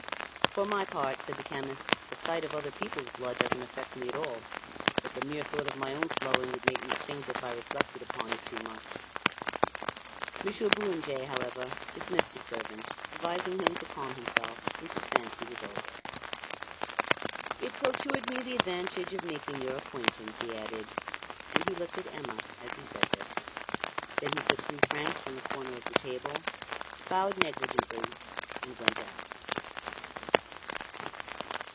"For my part," said the chemist, "the sight of other people's blood doesn't affect me at all, but the mere thought of my own flowing would make me faint if I reflected upon it too much." Monsieur Boulanger, however, dismissed his servant, advising him to calm himself, since his fancy was over. "It procured me the advantage of making your acquaintance," he added, and he looked at Emma as he said this. Then he put three francs on the corner of the table, bowed negligently, and went out.